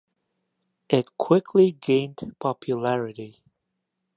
It quickly gained popularity.